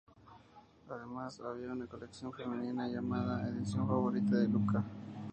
Además, había una colección femenina llamada "Edición favorita de Luca".